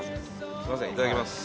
すいませんいただきます。